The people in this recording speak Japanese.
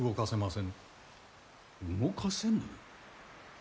動かせぬ？